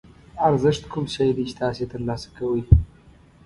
ارزښت کوم شی دی چې تاسو یې ترلاسه کوئ.